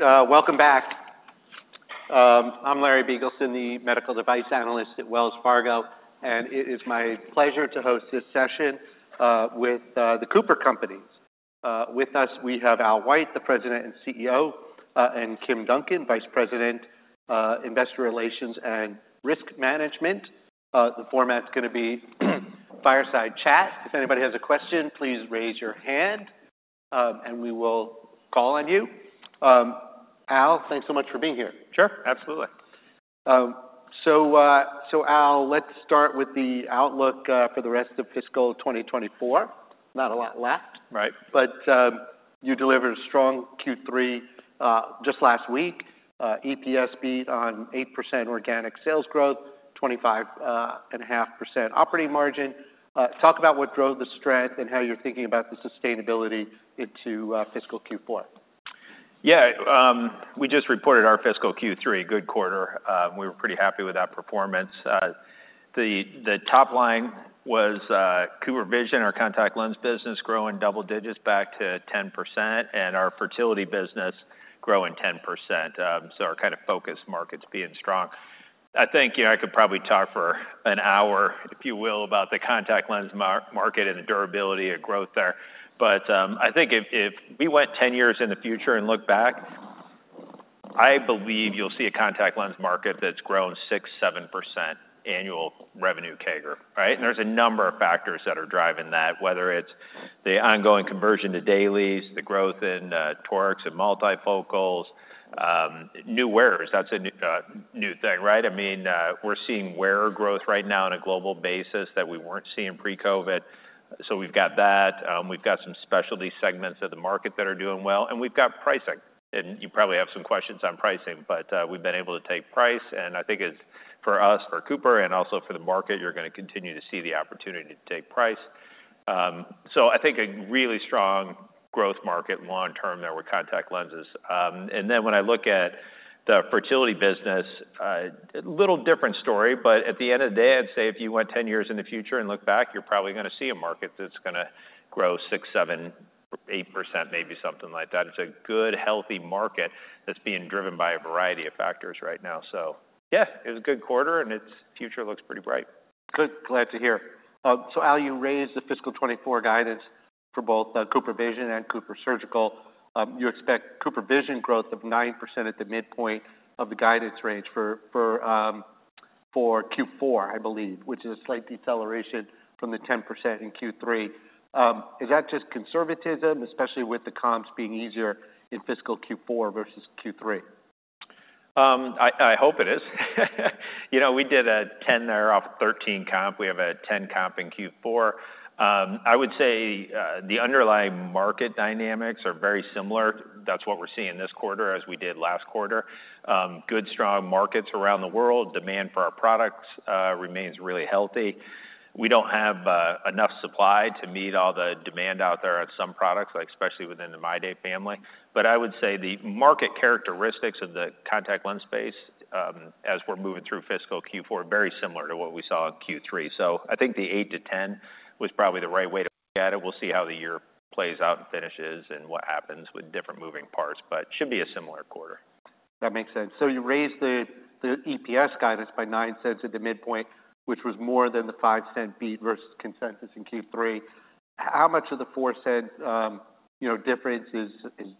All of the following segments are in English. All right, welcome back. I'm Larry Biegelsen, the Medical Device Analyst at Wells Fargo, and it is my pleasure to host this session with the Cooper Companies. With us, we have Al White, the President and CEO, and Kim Duncan, Vice President, Investor Relations and Risk Management. The format's gonna be fireside chat. If anybody has a question, please raise your hand, and we will call on you. Al, thanks so much for being here. Sure, absolutely. Al, let's start with the outlook for the rest of fiscal 2024. Not a lot left. Right. But, you delivered a strong Q3 just last week, EPS beat on 8% organic sales growth, 25.5% operating margin. Talk about what drove the strength and how you're thinking about the sustainability into fiscal Q4. Yeah, we just reported our fiscal Q3. Good quarter. We were pretty happy with that performance. The top line was CooperVision, our contact lens business, growing double digits back to 10%, and our fertility business growing 10%. So our kind of focus markets being strong. I think, you know, I could probably talk for an hour, if you will, about the contact lens market and the durability and growth there. But, I think if we went ten years in the future and looked back, I believe you'll see a contact lens market that's grown 6-7% annual revenue CAGR, right? And there's a number of factors that are driving that, whether it's the ongoing conversion to dailies, the growth in torics and multifocals, new wearers. That's a new thing, right? I mean, we're seeing wearer growth right now on a global basis that we weren't seeing pre-COVID, so we've got that. We've got some specialty segments of the market that are doing well, and we've got pricing, and you probably have some questions on pricing, but, we've been able to take price, and I think it's, for us, for Cooper and also for the market, you're gonna continue to see the opportunity to take price. So I think a really strong growth market long term there with contact lenses, and then when I look at the fertility business, a little different story, but at the end of the day, I'd say if you went ten years in the future and looked back, you're probably gonna see a market that's gonna grow 6%-8%, maybe something like that. It's a good, healthy market that's being driven by a variety of factors right now. So yeah, it was a good quarter, and its future looks pretty bright. Good. Glad to hear. So Al, you raised the fiscal 2024 guidance for both CooperVision and CooperSurgical. You expect CooperVision growth of 9% at the midpoint of the guidance range for Q4, I believe, which is a slight deceleration from the 10% in Q3. Is that just conservatism, especially with the comps being easier in fiscal Q4 versus Q3? I hope it is. You know, we did a 10 there off 13 comp. We have a 10 comp in Q4. I would say the underlying market dynamics are very similar. That's what we're seeing this quarter as we did last quarter. Good, strong markets around the world. Demand for our products remains really healthy. We don't have enough supply to meet all the demand out there on some products, like, especially within the MyDay family. But I would say the market characteristics of the contact lens space, as we're moving through fiscal Q4, very similar to what we saw in Q3. So I think the eight to 10 was probably the right way to look at it. We'll see how the year plays out and finishes and what happens with different moving parts, but should be a similar quarter. That makes sense. So you raised the EPS guidance by $0.09 at the midpoint, which was more than the $0.05 beat versus consensus in Q3. How much of the $0.04, you know, difference is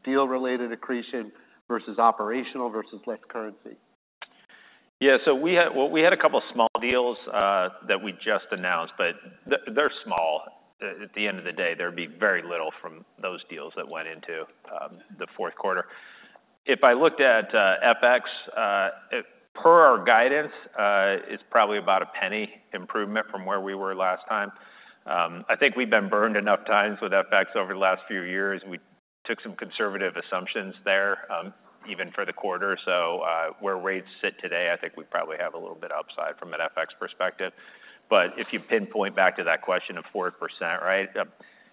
deal-related accretion versus operational versus less currency? Yeah, so we had a couple small deals that we just announced, but they're small. At the end of the day, there'd be very little from those deals that went into the fourth quarter. If I looked at FX per our guidance, it's probably about a $0.01 improvement from where we were last time. I think we've been burned enough times with FX over the last few years. We took some conservative assumptions there, even for the quarter. So, where rates sit today, I think we probably have a little bit upside from an FX perspective. But if you pinpoint back to that question of 4%, right?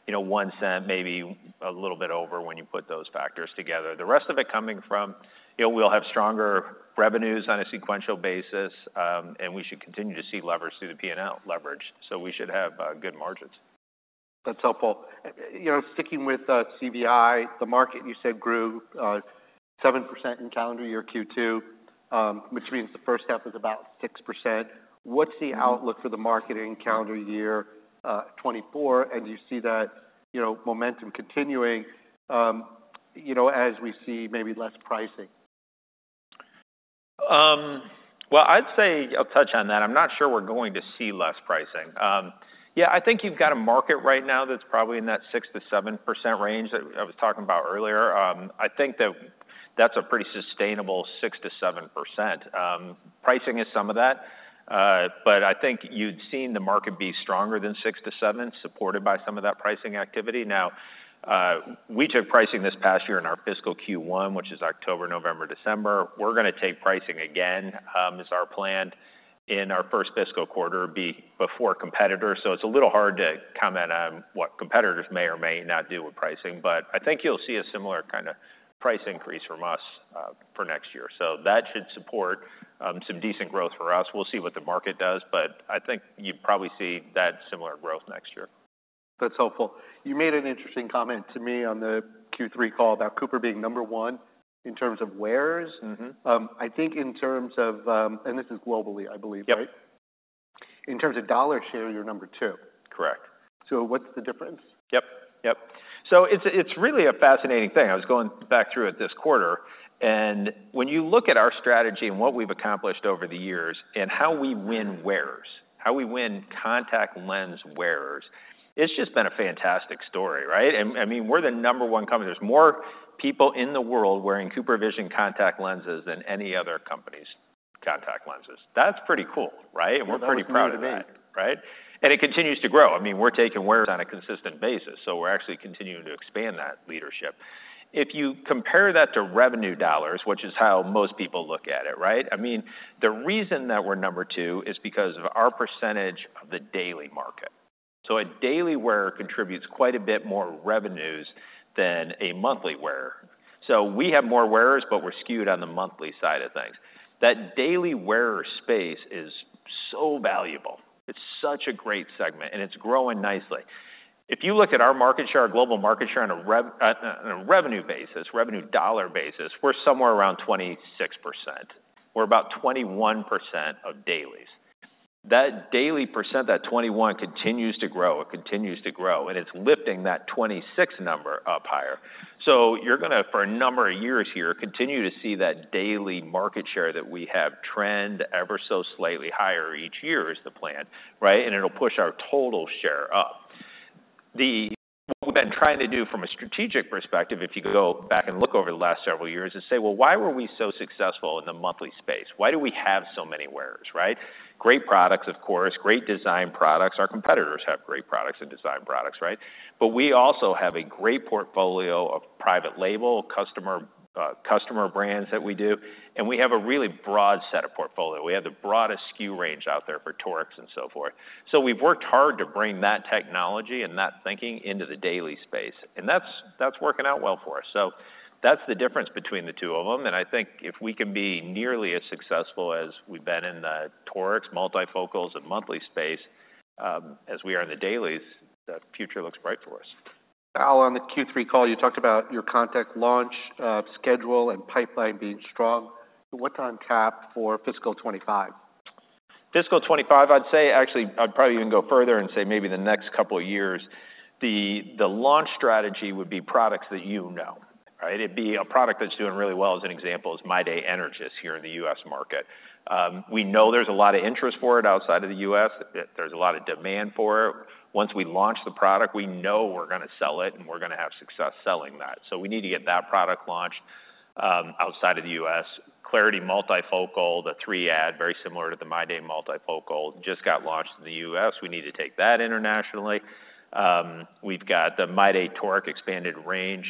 You know, $0.01, maybe a little bit over when you put those factors together. The rest of it coming from, you know, we'll have stronger revenues on a sequential basis, and we should continue to see leverage through the P&L, so we should have good margins. That's helpful. You know, sticking with CVI, the market, you said, grew 7% in calendar year Q2, which means the first half is about 6%. What's the outlook for the market in calendar year 2024? And do you see that, you know, momentum continuing, you know, as we see maybe less pricing? Well, I'd say I'll touch on that. I'm not sure we're going to see less pricing. Yeah, I think you've got a market right now that's probably in that 6%-7% range that I was talking about earlier. I think that that's a pretty sustainable 6%-7%. Pricing is some of that, but I think you've seen the market be stronger than 6%-7%, supported by some of that pricing activity. Now, we took pricing this past year in our fiscal Q1, which is October, November, December. We're gonna take pricing again, as our plan in our first fiscal quarter, be before competitors. So it's a little hard to comment on what competitors may or may not do with pricing, but I think you'll see a similar kind of price increase from us for next year. So that should support some decent growth for us. We'll see what the market does, but I think you'd probably see that similar growth next year. That's helpful. You made an interesting comment to me on the Q3 call about Cooper being number one in terms of wearers. I think in terms of, and this is globally, I believe, right? Yep. In terms of dollar share, you're number two. Correct. So what's the difference? Yep, yep. So it's, it's really a fascinating thing. I was going back through it this quarter, and when you look at our strategy and what we've accomplished over the years and how we win wearers, how we win contact lens wearers, it's just been a fantastic story, right? I mean, we're the number one company. There's more people in the world wearing CooperVision contact lenses than any other company's contact lenses. That's pretty cool, right? Yeah, that's pretty neat. We're pretty proud of that, right? It continues to grow. I mean, we're taking wearers on a consistent basis, so we're actually continuing to expand that leadership. If you compare that to revenue dollars, which is how most people look at it, right? I mean, the reason that we're number two is because of our percentage of the daily market. A daily wearer contributes quite a bit more revenues than a monthly wearer. We have more wearers, but we're skewed on the monthly side of things. That daily wearer space is so valuable. It's such a great segment, and it's growing nicely. If you look at our market share, our global market share on a revenue basis, revenue dollar basis, we're somewhere around 26%. We're about 21% of dailies. That daily percent, that 21, continues to grow. It continues to grow, and it's lifting that 26-number up higher. So you're gonna, for a number of years here, continue to see that daily market share that we have trend ever so slightly higher each year, is the plan, right? And it'll push our total share up. The - what we've been trying to do from a strategic perspective, if you go back and look over the last several years and say: Well, why were we so successful in the monthly space? Why do we have so many wearers, right? Great products, of course, great design products. Our competitors have great products and design products, right? But we also have a great portfolio of private label customer, customer brands that we do, and we have a really broad set of portfolio. We have the broadest SKU range out there for torics and so forth. So we've worked hard to bring that technology and that thinking into the daily space, and that's, that's working out well for us. So that's the difference between the two of them, and I think if we can be nearly as successful as we've been in the torics, multifocals, and monthly space, as we are in the dailies, the future looks bright for us. Al, on the Q3 call, you talked about your contact launch, schedule, and pipeline being strong. So what's on tap for fiscal 2025? Fiscal 2025, I'd say. Actually, I'd probably even go further and say maybe the next couple of years, the launch strategy would be products that you know, right? It'd be a product that's doing really well, as an example, is MyDay Energys here in the U.S. market. We know there's a lot of interest for it outside of the U.S. There's a lot of demand for it. Once we launch the product, we know we're gonna sell it, and we're gonna have success selling that. So we need to get that product launched outside of the U.S. Clariti multifocal, the three add, very similar to the MyDay multifocal, just got launched in the U.S. We need to take that internationally. We've got the MyDay Toric expanded range,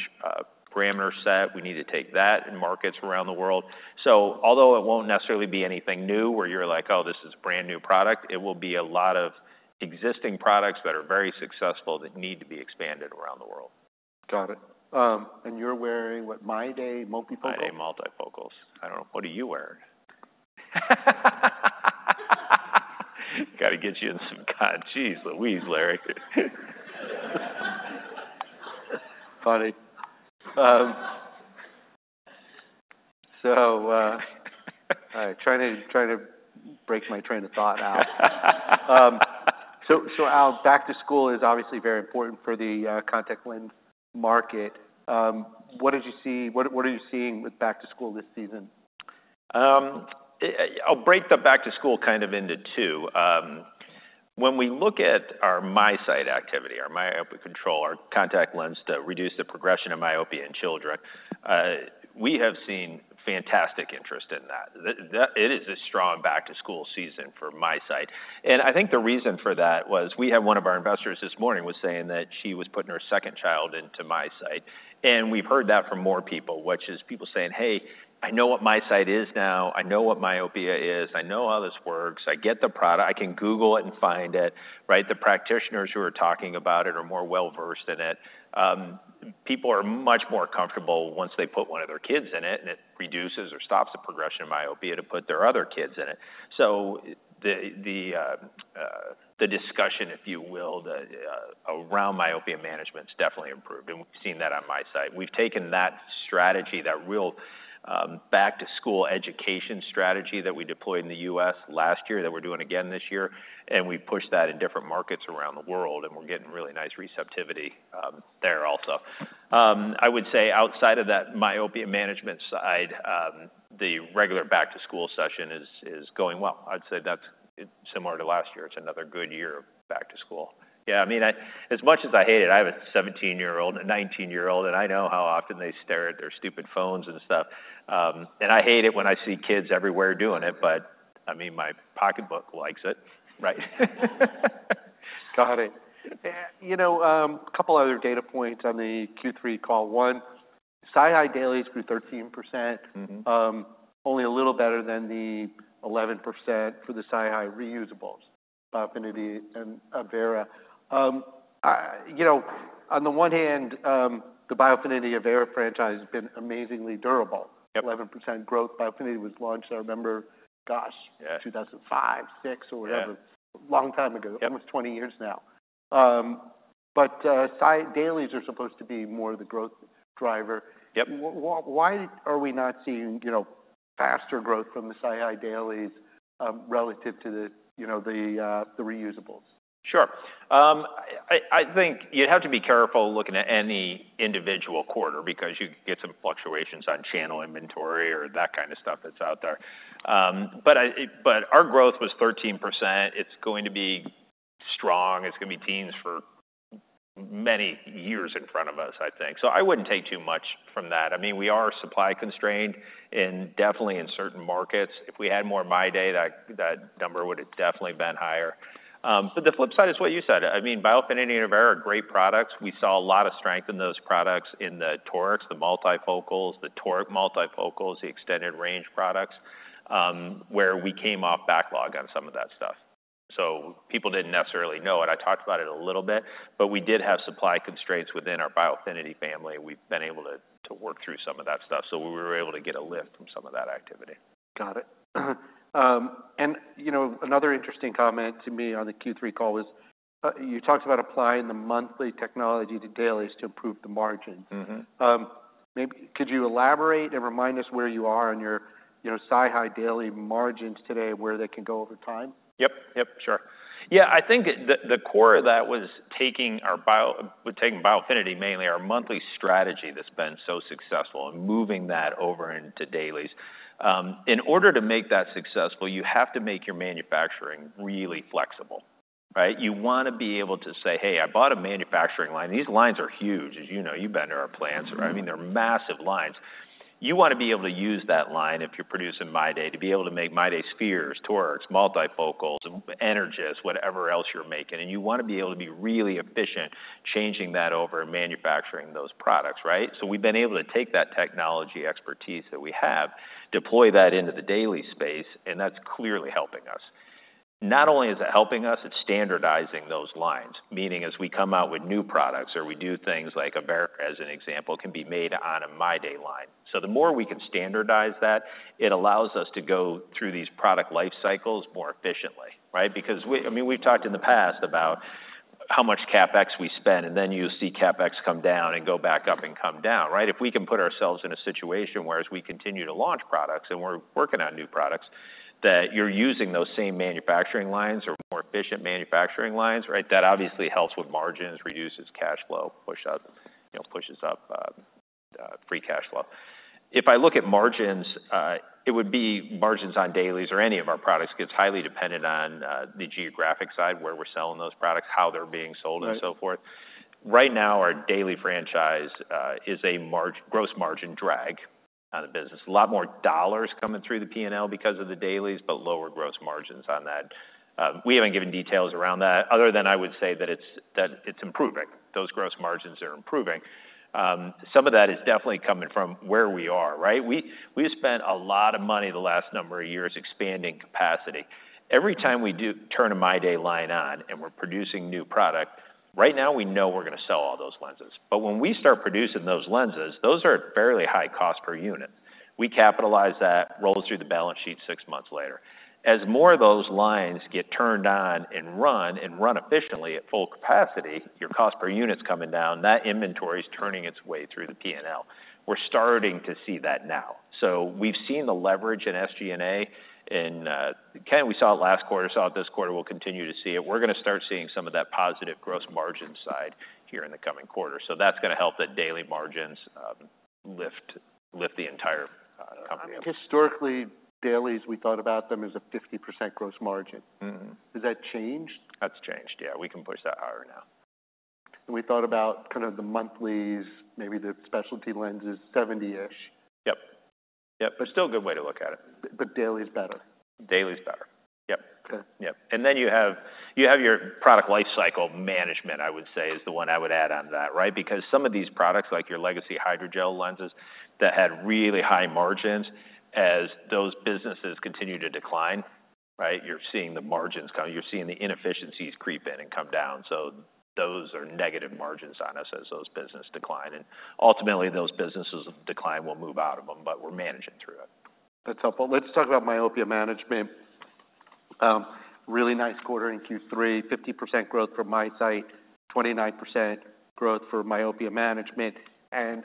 parameter set. We need to take that in markets around the world. So although it won't necessarily be anything new, where you're like, "Oh, this is brand-new product," it will be a lot of existing products that are very successful that need to be expanded around the world. Got it, and you're wearing what, MyDay multifocal? MyDay multifocals. I don't know. What are you wearing? Gotta get you in some kind. Geez Louise, Larry. Funny. Trying to break my train of thought now. Al, back to school is obviously very important for the contact lens market. What are you seeing with back to school this season? I'll break the back to school kind of into two. When we look at our MiSight activity, our myopia control, our contact lens that reduce the progression of myopia in children, we have seen fantastic interest in that. It is a strong back-to-school season for MiSight, and I think the reason for that was we had one of our investors this morning was saying that she was putting her second child into MiSight, and we've heard that from more people, which is people saying: "Hey, I know what MiSight is now. I know what myopia is. I know how this works. I get the product. I can Google it and find it," right? The practitioners who are talking about it are more well-versed in it. People are much more comfortable once they put one of their kids in it, and it reduces or stops the progression of myopia to put their other kids in it, so the discussion, if you will, around myopia management has definitely improved, and we've seen that on MiSight. We've taken that strategy, that real back-to-school education strategy that we deployed in the U.S. last year, that we're doing again this year, and we pushed that in different markets around the world, and we're getting really nice receptivity there also. I would say outside of that myopia management side, the regular back-to-school season is going well. I'd say that's similar to last year. It's another good year of back to school. Yeah, I mean, as much as I hate it, I have a 17-year-old, a 19-year-old, and I know how often they stare at their stupid phones and stuff, and I hate it when I see kids everywhere doing it, but, I mean, my pocketbook likes it, right? Got it. And, you know, a couple of other data points on the Q3 call. One, MyDay grew 13%, only a little better than the 11% for the CVI reusables, Biofinity and Avaira. You know, on the one hand, the Biofinity Avaira franchise has been amazingly durable. Yep. 11% growth. Biofinity was launched, I remember, gosh- Yeah 2005/2006, or whatever. Yeah. Long time ago. Yep. Almost 20 years now, but CVI dailies are supposed to be more of the growth driver. Yep. Why are we not seeing, you know, faster growth from the CVI dailies, relative to the, you know, the reusables? Sure. I think you have to be careful looking at any individual quarter because you get some fluctuations on channel inventory or that kind of stuff that's out there. But our growth was 13%. It's going to be strong. It's going to be teens for many years in front of us, I think. So I wouldn't take too much from that. I mean, we are supply constrained and definitely in certain markets. If we had more MyDay, that number would have definitely been higher. But the flip side is what you said. I mean, Biofinity and Avaira are great products. We saw a lot of strength in those products, in the torics, the multifocals, the toric multifocals, the extended range products, where we came off backlog on some of that stuff. So people didn't necessarily know it. I talked about it a little bit, but we did have supply constraints within our Biofinity family. We've been able to work through some of that stuff, so we were able to get a lift from some of that activity. Got it. And, you know, another interesting comment to me on the Q3 call was you talked about applying the monthly technology to dailies to improve the margin. Mm-hmm. Maybe could you elaborate and remind us where you are on your, you know, CVI daily margins today, where they can go over time? Yep, yep, sure. Yeah, I think the core of that was taking Biofinity, mainly our monthly strategy that's been so successful and moving that over into dailies. In order to make that successful, you have to make your manufacturing really flexible, right? You want to be able to say, "Hey, I bought a manufacturing line." These lines are huge, as you know. You've been to our plants. Mm-hmm. I mean, they're massive lines. You want to be able to use that line if you're producing MyDay, to be able to make MyDay spheres, torics, multifocals, Energys, whatever else you're making, and you want to be able to be really efficient, changing that over and manufacturing those products, right? So we've been able to take that technology expertise that we have, deploy that into the daily space, and that's clearly helping us. Not only is it helping us, it's standardizing those lines, meaning as we come out with new products or we do things like Avaira, as an example, can be made on a MyDay line. So the more we can standardize that, it allows us to go through these product life cycles more efficiently, right? Because we... I mean, we've talked in the past about how much CapEx we spend, and then you see CapEx come down and go back up and come down, right? If we can put ourselves in a situation where we continue to launch products, and we're working on new products, that you're using those same manufacturing lines or more efficient manufacturing lines, right, that obviously helps with margins, reduces CapEx, pushes up free cash flow. If I look at margins, it would be margins on dailies or any of our products. It's highly dependent on the geographic mix, where we're selling those products, how they're being sold- Right... and so forth. Right now, our daily franchise is a gross margin drag on the business. A lot more dollars coming through the P&L because of the dailies, but lower gross margins on that. We haven't given details around that, other than I would say that it's improving. Those gross margins are improving. Some of that is definitely coming from where we are, right? We spent a lot of money the last number of years expanding capacity. Every time we do turn a MyDay line on and we're producing new product, right now, we know we're going to sell all those lenses. But when we start producing those lenses, those are at fairly high cost per unit. We capitalize that, rolls through the balance sheet six months later. As more of those lines get turned on and run, and run efficiently at full capacity, your cost per unit's coming down, that inventory is turning its way through the P&L. We're starting to see that now. So we've seen the leverage in SG&A in kind of we saw it last quarter, saw it this quarter, we'll continue to see it. We're going to start seeing some of that positive gross margin side here in the coming quarter. So that's going to help the daily margins lift the entire company. Historically, dailies, we thought about them as a 50% gross margin. Has that changed? That's changed, yeah. We can push that higher now. We thought about kind of the monthlies, maybe the specialty lenses, seventy-ish. Yep. Yep, but still a good way to look at it. But daily is better? Daily is better. Yep. Okay. Yep, and then you have, you have your product lifecycle management, I would say, is the one I would add on that, right? Because some of these products, like your legacy hydrogel lenses, that had really high margins, as those businesses continue to decline, right, you're seeing the inefficiencies creep in and come down. So those are negative margins on us as those business decline, and ultimately, those businesses decline, we'll move out of them, but we're managing through it. That's helpful. Let's talk about myopia management. Really nice quarter in Q3, 50% growth from MiSight, 29% growth for myopia management. And,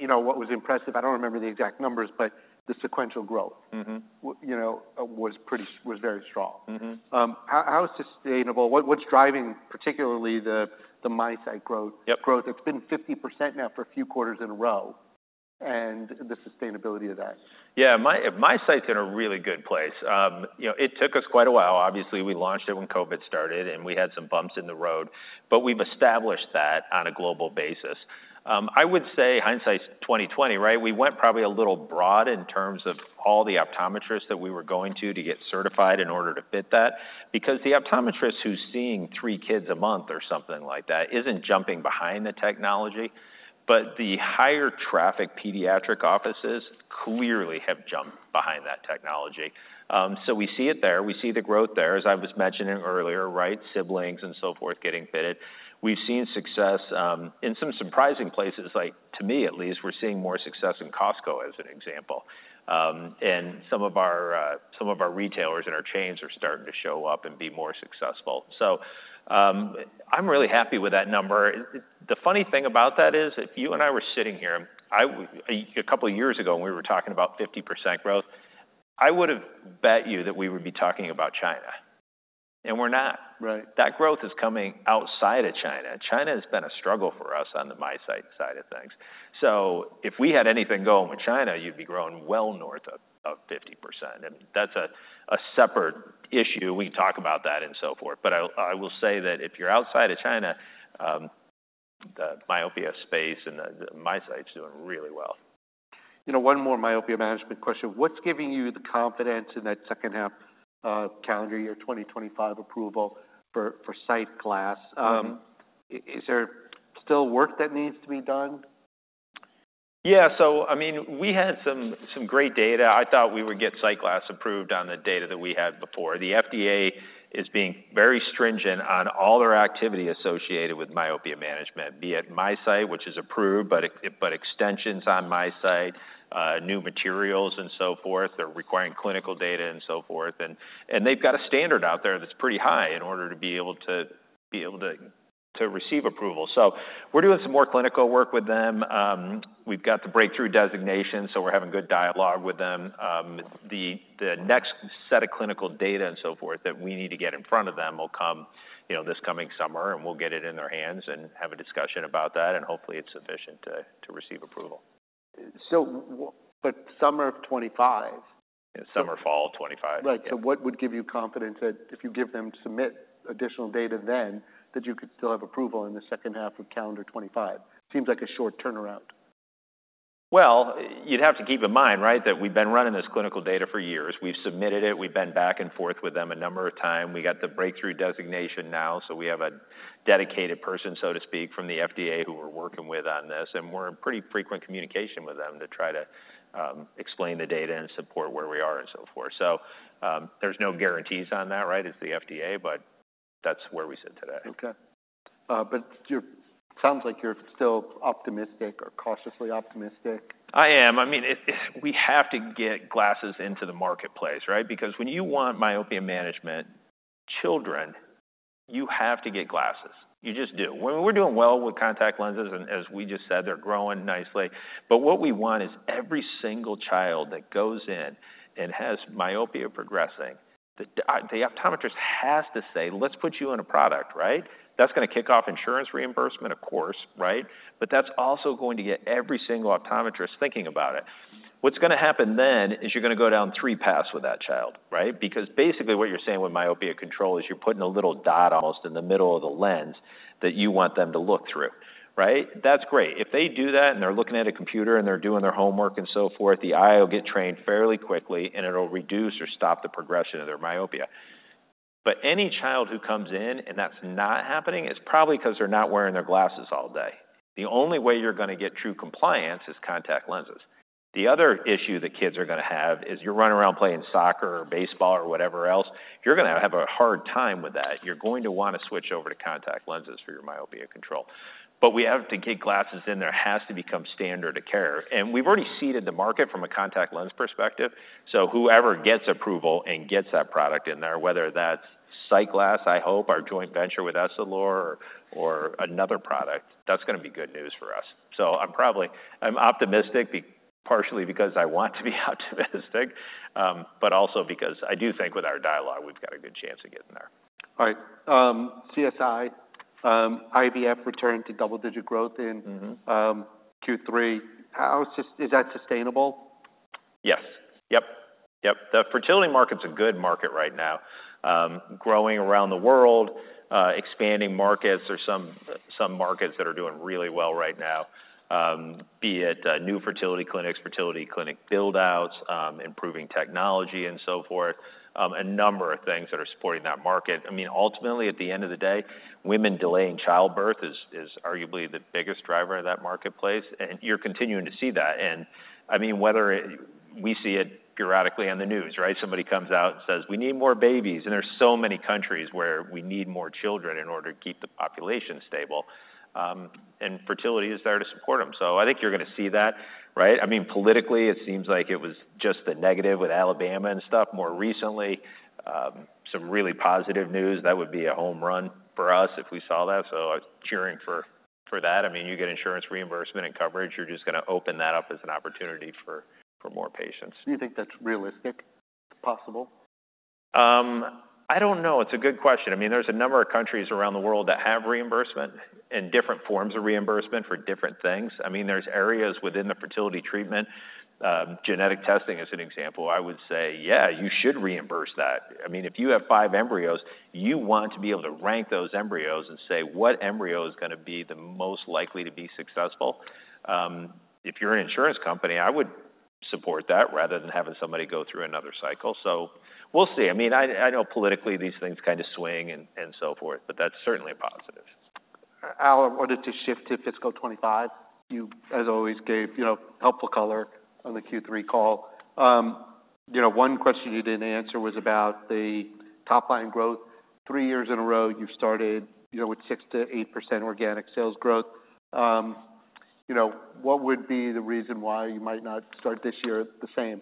you know, what was impressive, I don't remember the exact numbers, but the sequential growth. You know, was pretty, was very strong. How sustainable? What's driving, particularly the MiSight growth? Yep. Growth. It's been 50% now for a few quarters in a row, and the sustainability of that? Yeah, MiSight's in a really good place. You know, it took us quite a while. Obviously, we launched it when COVID started, and we had some bumps in the road, but we've established that on a global basis. I would say hindsight's 2020, right? We went probably a little broad in terms of all the optometrists that we were going to, to get certified in order to fit that, because the optometrist who's seeing three kids a month or something like that, isn't jumping behind the technology. But the higher traffic pediatric offices clearly have jumped behind that technology. So we see it there. We see the growth there, as I was mentioning earlier, right? Siblings and so forth, getting fitted. We've seen success in some surprising places, like, to me at least, we're seeing more success in Costco, as an example. And some of our retailers and our chains are starting to show up and be more successful. So, I'm really happy with that number. The funny thing about that is, if you and I were sitting here, a couple of years ago, when we were talking about 50% growth, I would've bet you that we would be talking about China, and we're not. Right. That growth is coming outside of China. China has been a struggle for us on the MiSight side of things, so if we had anything going with China, you'd be growing well north of 50%, and that's a separate issue. We can talk about that and so forth, but I'll say that if you're outside of China, the myopia space and the MiSight is doing really well. You know, one more myopia management question. What's giving you the confidence in that second half of calendar year 2025 approval for SightGlass? Um. Is there still work that needs to be done? Yeah, so I mean, we had some great data. I thought we would get SightGlass approved on the data that we had before. The FDA is being very stringent on all their activity associated with myopia management, be it MiSight, which is approved, but extensions on MiSight, new materials and so forth. They're requiring clinical data and so forth, and they've got a standard out there that's pretty high in order to be able to receive approval. So we're doing some more clinical work with them. We've got the breakthrough designation, so we're having good dialogue with them. The next set of clinical data and so forth, that we need to get in front of them will come, you know, this coming summer, and we'll get it in their hands and have a discussion about that, and hopefully, it's sufficient to receive approval. So, but summer of 2025? Summer, fall of 2025. Right. So what would give you confidence that if you give them... submit additional data then, that you could still have approval in the second half of calendar 2025? Seems like a short turnaround. You'd have to keep in mind, right, that we've been running this clinical data for years. We've submitted it. We've been back and forth with them a number of times. We got the breakthrough designation now, so we have a dedicated person, so to speak, from the FDA, who we're working with on this, and we're in pretty frequent communication with them to try to explain the data and support where we are and so forth. So, there's no guarantees on that, right? It's the FDA, but that's where we sit today. Okay. But sounds like you're still optimistic or cautiously optimistic. I am. I mean, we have to get glasses into the marketplace, right? Because when you want myopia management, children, you have to get glasses. You just do. We're doing well with contact lenses, and as we just said, they're growing nicely. But what we want is every single child that goes in and has myopia progressing, the optometrist has to say, "Let's put you on a product," right? That's gonna kick off insurance reimbursement, of course, right? But that's also going to get every single optometrist thinking about it. What's gonna happen then is you're gonna go down three paths with that child, right? Because basically, what you're saying with myopia control is you're putting a little dot almost in the middle of the lens that you want them to look through, right? That's great. If they do that, and they're looking at a computer, and they're doing their homework and so forth, the eye will get trained fairly quickly, and it'll reduce or stop the progression of their myopia. But any child who comes in and that's not happening, it's probably because they're not wearing their glasses all day. The only way you're gonna get true compliance is contact lenses. The other issue that kids are gonna have is you're running around playing soccer or baseball or whatever else, you're gonna have a hard time with that. You're going to want to switch over to contact lenses for your myopia control. But we have to get glasses in there. It has to become standard of care. And we've already seeded the market from a contact lens perspective, so whoever gets approval and gets that product in there, whether that's SightGlass, I hope, our joint venture with Essilor, or another product, that's gonna be good news for us. So I'm probably. I'm optimistic, partially because I want to be optimistic, but also because I do think with our dialogue, we've got a good chance of getting there. All right. CSI, IVF returned to double-digit growth in Q3. How is that sustainable? Yes. Yep, yep. The fertility market's a good market right now. Growing around the world, expanding markets. There's some markets that are doing really well right now, be it new fertility clinics, fertility clinic build-outs, improving technology and so forth. A number of things that are supporting that market. I mean, ultimately, at the end of the day, women delaying childbirth is arguably the biggest driver of that marketplace, and you're continuing to see that, and I mean, whether it... We see it periodically on the news, right? Somebody comes out and says, "We need more babies," and there's so many countries where we need more children in order to keep the population stable, and fertility is there to support them, so I think you're gonna see that, right? I mean, politically, it seems like it was just the negative with Alabama and stuff. More recently, some really positive news. That would be a home run for us if we saw that, so I'm cheering for that. I mean, you get insurance reimbursement and coverage, you're just gonna open that up as an opportunity for more patients. Do you think that's realistic? Possible? I don't know. It's a good question. I mean, there's a number of countries around the world that have reimbursement and different forms of reimbursement for different things. I mean, there's areas within the fertility treatment, genetic testing is an example. I would say, yeah, you should reimburse that. I mean, if you have five embryos, you want to be able to rank those embryos and say, what embryo is gonna be the most likely to be successful? If you're an insurance company, I would support that, rather than having somebody go through another cycle. So we'll see. I mean, I know politically, these things kind of swing and so forth, but that's certainly a positive. Al, I wanted to shift to fiscal 2025. You, as always, gave, you know, helpful color on the Q3 call. You know, one question you didn't answer was about the top line growth. Three years in a row, you've started, you know, with 6%-8% organic sales growth. You know, what would be the reason why you might not start this year the same?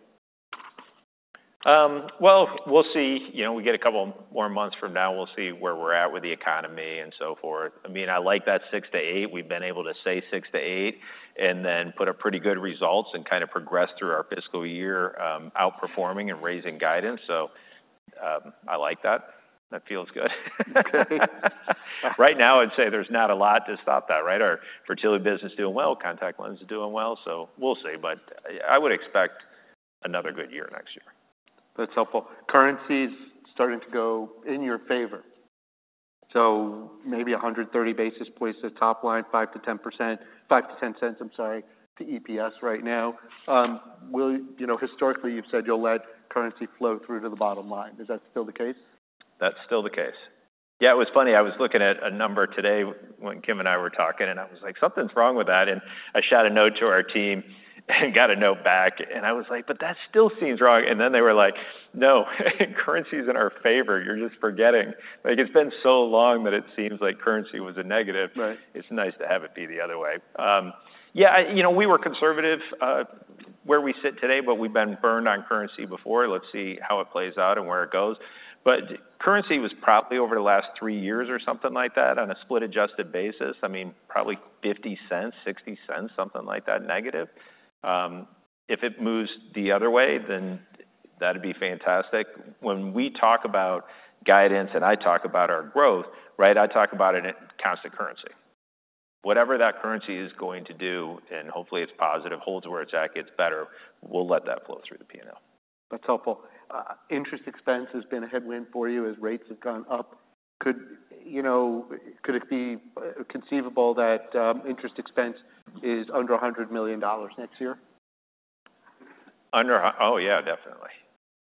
Well, we'll see. You know, we get a couple more months from now, we'll see where we're at with the economy and so forth. I mean, I like that six to eight. We've been able to say six to eight, and then put a pretty good results and kind of progress through our fiscal year, outperforming and raising guidance. I like that. That feels good. Right now, I'd say there's not a lot to stop that, right? Our fertility business is doing well, contact lens is doing well, so we'll see. But I would expect another good year next year. That's helpful. Currency's starting to go in your favor, so maybe 130 basis points to top line, 5%-10%, $0.05-$0.10, I'm sorry, to EPS right now. You know, historically, you've said you'll let currency flow through to the bottom line. Is that still the case? That's still the case. Yeah, it was funny. I was looking at a number today when Kim and I were talking, and I was like, "Something's wrong with that." And I shot a note to our team and got a note back, and I was like: "But that still seems wrong." And then they were like, "No, currency's in our favor. You're just forgetting." Like, it's been so long that it seems like currency was a negative. Right. It's nice to have it be the other way. Yeah, you know, we were conservative, where we sit today, but we've been burned on currency before. Let's see how it plays out and where it goes. But currency was probably over the last three years or something like that, on a split adjusted basis. I mean, probably $0.50-$0.60, something like that, negative. If it moves the other way, then that'd be fantastic. When we talk about guidance, and I talk about our growth, right, I talk about it, it counts the currency. Whatever that currency is going to do, and hopefully it's positive, holds where it's at, gets better, we'll let that flow through the P&L. That's helpful. Interest expense has been a headwind for you as rates have gone up. You know, could it be conceivable that interest expense is under $100 million next year? Oh, yeah, definitely.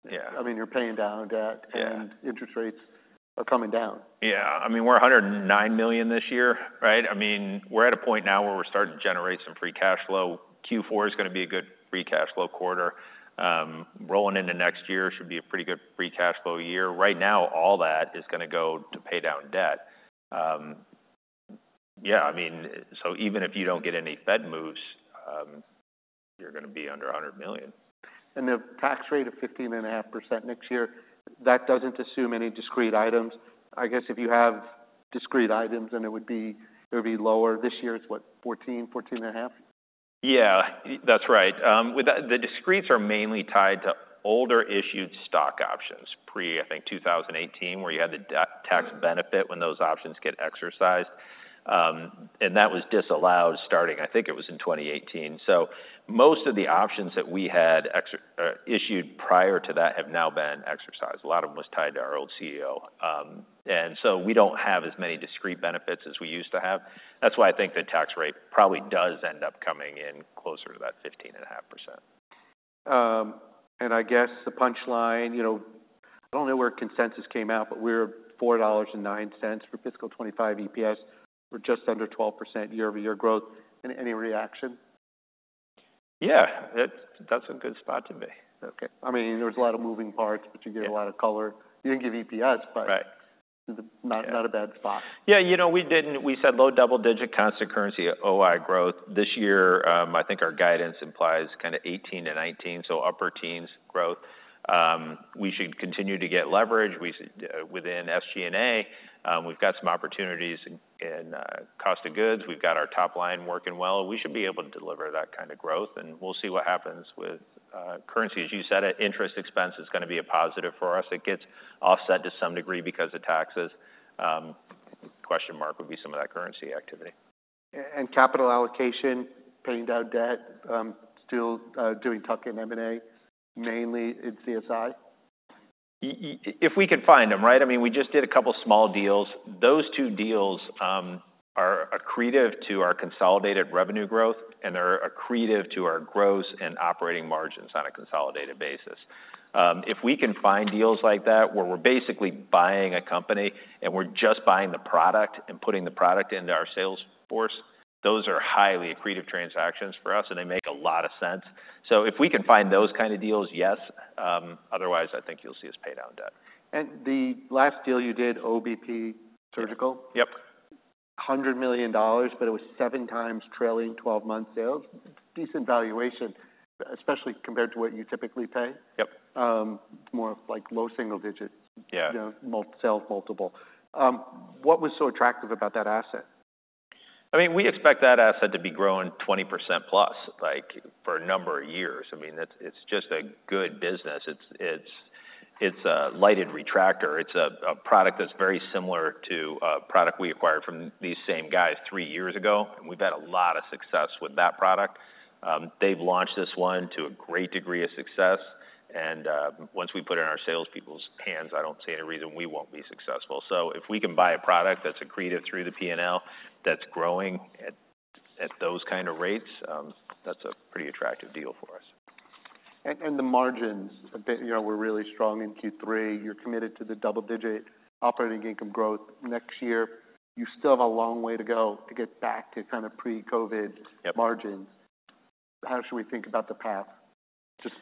Yeah. I mean, you're paying down debt- Yeah. ...and interest rates are coming down. Yeah. I mean, we're $109 million this year, right? I mean, we're at a point now where we're starting to generate some free cash flow. Q4 is gonna be a good free cash flow quarter. Rolling into next year should be a pretty good free cash flow year. Right now, all that is gonna go to pay down debt. Yeah, I mean, so even if you don't get any Fed moves, you're gonna be under $100 million. The tax rate of 15.5% next year, that doesn't assume any discrete items. I guess if you have discrete items, then it would be lower. This year, it's what? 14%, 14.5%. Yeah, that's right. With that, the discretes are mainly tied to older issued stock options, pre, I think, 2018, where you had the tax benefit when those options get exercised. And that was disallowed starting, I think it was in 2018. So most of the options that we had issued prior to that have now been exercised. A lot of them was tied to our old CEO. And so we don't have as many discrete benefits as we used to have. That's why I think the tax rate probably does end up coming in closer to that 15.5%. And, I guess the punchline, you know, I don't know where consensus came out, but we're $4.09 for fiscal 2025 EPS. We're just under 12% year-over-year growth. Any reaction? Yeah, that's, that's a good spot to be. Okay. I mean, there's a lot of moving parts- Yeah. but you get a lot of color. You didn't give EPS, but- Right. ......not a bad spot. Yeah, you know, we said low double-digit constant currency at OI growth. This year, I think our guidance implies kind of 18-19, so upper teens growth. We should continue to get leverage. We should, within SG&A, we've got some opportunities in, cost of goods. We've got our top line working well. We should be able to deliver that kind of growth, and we'll see what happens with, currency. As you said, interest expense is gonna be a positive for us. It gets offset to some degree because of taxes. Question mark would be some of that currency activity. Capital allocation, paying down debt, still doing tuck-in M&A, mainly in CSI? Yeah, if we could find them, right? I mean, we just did a couple of small deals. Those two deals are accretive to our consolidated revenue growth, and they're accretive to our gross and operating margins on a consolidated basis. If we can find deals like that, where we're basically buying a company and we're just buying the product and putting the product into our sales force, those are highly accretive transactions for us, and they make a lot of sense. So if we can find those kind of deals, yes, otherwise, I think you'll see us pay down debt. The last deal you did, OBP Surgical? Yep. $100 million, but it was seven times trailing 12-month sales. Decent valuation, especially compared to what you typically pay. Yep. More of, like, low single digit- Yeah You know, multiple sales multiple. What was so attractive about that asset? I mean, we expect that asset to be growing 20%+, like, for a number of years. I mean, it's a lighted retractor. It's a product that's very similar to a product we acquired from these same guys three years ago, and we've had a lot of success with that product. They've launched this one to a great degree of success, and once we put it in our salespeople's hands, I don't see any reason we won't be successful. So if we can buy a product that's accretive through the P&L, that's growing at those kind of rates, that's a pretty attractive deal for us. And the margins a bit, you know, we're really strong in Q3. You're committed to the double-digit operating income growth next year. You still have a long way to go to get back to kind of pre-COVID- Yep Margins. How should we think about the path? Just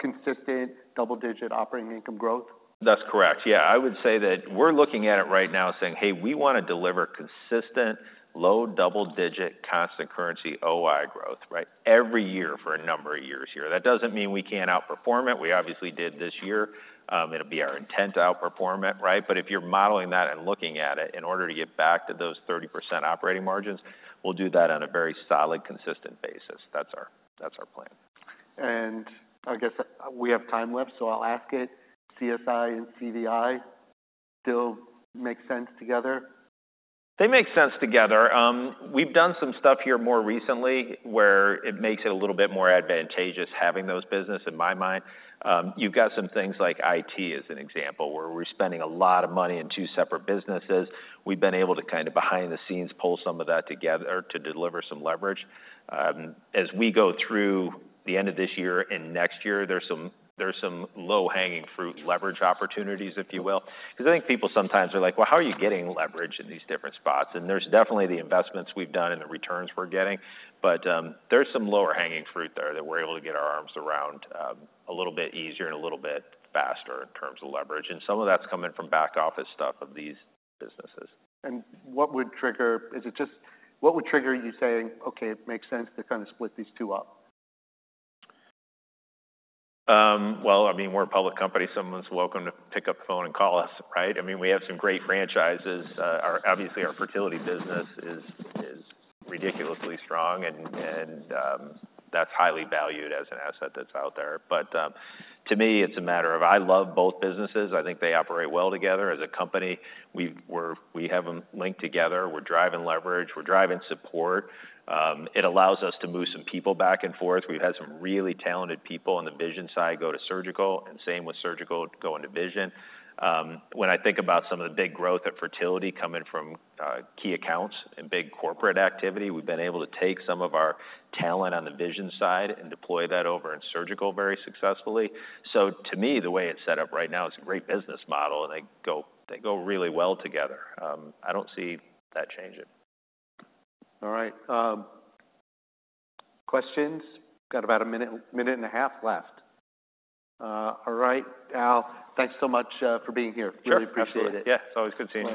consistent double-digit operating income growth? That's correct. Yeah. I would say that we're looking at it right now saying, "Hey, we wanna deliver consistent, low double-digit constant currency OI growth," right? Every year for a number of years here. That doesn't mean we can't outperform it. We obviously did this year. It'll be our intent to outperform it, right? But if you're modeling that and looking at it, in order to get back to those 30% operating margins, we'll do that on a very solid, consistent basis. That's our, that's our plan. I guess we have time left, so I'll ask it. CSI and CVI still make sense together? They make sense together. We've done some stuff here more recently, where it makes it a little bit more advantageous having those businesses, in my mind. You've got some things like IT, as an example, where we're spending a lot of money in two separate businesses. We've been able to kind of, behind the scenes, pull some of that together to deliver some leverage. As we go through the end of this year and next year, there's some low-hanging fruit leverage opportunities, if you will. Because I think people sometimes are like: "Well, how are you getting leverage in these different spots?" and there's definitely the investments we've done and the returns we're getting, but, there's some lower-hanging fruit there that we're able to get our arms around, a little bit easier and a little bit faster in terms of leverage, and some of that's coming from back office stuff of these businesses. What would trigger you saying, "Okay, it makes sense to kind of split these two up? Well, I mean, we're a public company. Someone's welcome to pick up the phone and call us, right? I mean, we have some great franchises. Obviously, our fertility business is ridiculously strong, and that's highly valued as an asset that's out there. But, to me, it's a matter of I love both businesses. I think they operate well together as a company. We have them linked together. We're driving leverage. We're driving support. It allows us to move some people back and forth. We've had some really talented people on the vision side go to surgical, and same with surgical go into vision. When I think about some of the big growth at fertility coming from key accounts and big corporate activity, we've been able to take some of our talent on the vision side and deploy that over in surgical very successfully. So to me, the way it's set up right now is a great business model, and they go really well together. I don't see that changing. All right. Questions? Got about a minute and a half left. All right, Al, thanks so much for being here. Sure. Really appreciate it. Yeah, it's always good seeing you.